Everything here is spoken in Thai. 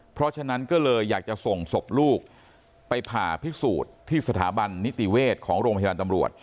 เพราะฉะนั้นก็เลยอยากจะส่งศพลูกไปผ่าพิสูจน์ที่สถาบันนิติเวชของโรงพยาบาลตำรวจ